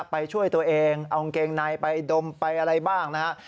ไปช่วยตัวเองเอากางเกงในไปดมไปอะไรบ้างนะฮะ